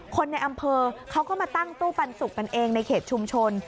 คนในอำเภอเขาก็มาตั้งตู้ปันสุกกันเองในเขตชุมชน